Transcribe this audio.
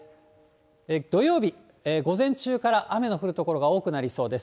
土曜日、午前中から雨の降る所が多くなりそうです。